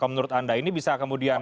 menurut anda ini bisa kemudian